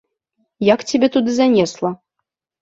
Як цябе туды занесла?